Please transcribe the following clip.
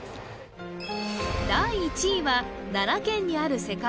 第１位は奈良県にある世界